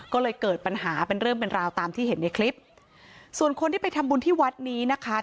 ก็เลยเกิดปัญหาเป็นเรื่องเป็นราวตามที่เห็นในคลิปส่วนคนที่ไปทำบุญที่วัดนี้นะคะ